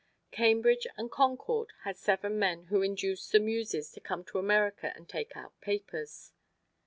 Cambridge and Concord had seven men who induced the Muses to come to America and take out papers.